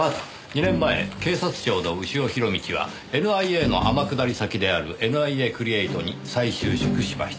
２年前警察庁の潮弘道がＮＩＡの天下り先であるＮＩＡクリエイトに再就職しました。